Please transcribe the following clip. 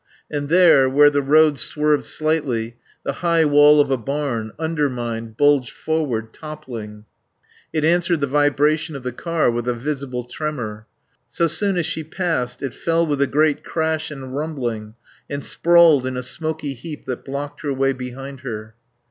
And there, where the road swerved slightly, the high wall of a barn, undermined, bulged forward, toppling. It answered the vibration of the car with a visible tremor. So soon as she passed it fell with a great crash and rumbling and sprawled in a smoky heap that blocked her way behind her.